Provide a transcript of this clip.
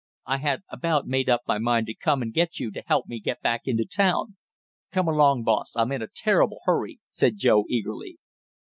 I had about made up my mind to come and get you to help me back into town." "Come along, boss, I'm in a terrible hurry!" said Joe eagerly.